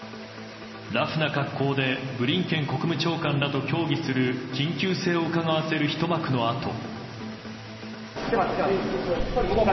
ラフな格好でブリンケン国務長官らと協議する緊急性をうかがわせるひと幕のあと。